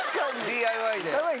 ＤＩＹで。